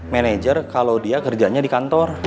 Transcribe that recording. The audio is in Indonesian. manager kalau dia kerjanya di kantor